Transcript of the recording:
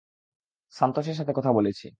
সান্তোসের সাথে কথা বলেছি।